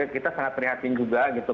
kita sangat prihatin juga gitu